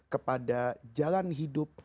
kepada jalan hidup